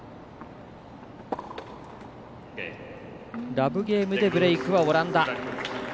ラブゲームでブレークはオランダ。